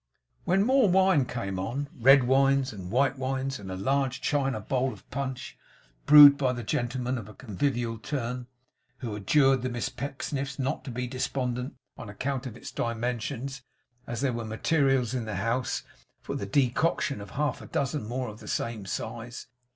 Then more wine came on; red wines and white wines; and a large china bowl of punch, brewed by the gentleman of a convivial turn, who adjured the Miss Pecksniffs not to be despondent on account of its dimensions, as there were materials in the house for the decoction of half a dozen more of the same size.